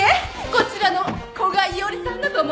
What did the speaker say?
こちらの古賀一織さんだと思います。